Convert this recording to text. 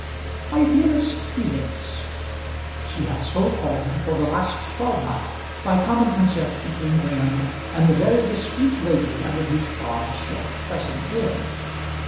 MY DEAREST FELIX, she had so called him for the last twelvemonth by common consent between Graham and the very discreet lady under whose charge she at present lived.